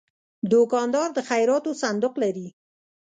دوکاندار د خیراتو صندوق لري.